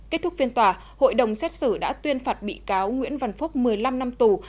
kết thúc phiên tòa hội đồng xét xử đã tuyên phạt bị cáo nguyễn văn phúc một mươi năm năm tù